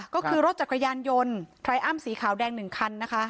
ก็คือรถจักรยานยนต์ไพรอ้ำสีขาวแดง๑คันนะคะ